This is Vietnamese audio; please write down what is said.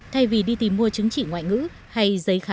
thay vì đi tìm mua chứng chỉ ngoại ngữ hay giấy khám